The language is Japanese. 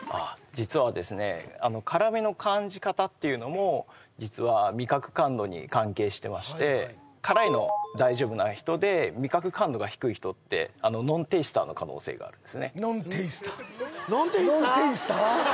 実はですね辛みの感じ方っていうのも実は味覚感度に関係してまして辛いの大丈夫な人で味覚感度が低い人ってノンテイスターの可能性があるんですねノンテイスターノンテイスター？ノンテイスター？